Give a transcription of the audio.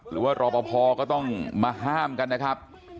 หรือว่ารอพอก็ต้องมาห้ามกันนะครับ